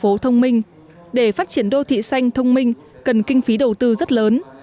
đối với các thành phố thông minh để phát triển đô thị xanh thông minh cần kinh phí đầu tư rất lớn